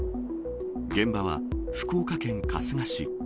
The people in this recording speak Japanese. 現場は福岡県春日市。